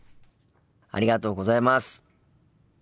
ありがとうございます。